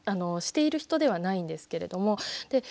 している人ではないんですけれども。